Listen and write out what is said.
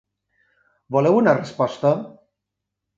Voleu una resposta?